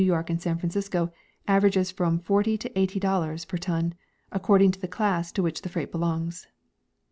York and San Francisco averages from forty to eighty dollars per ton, according to the class to which the freight belongs.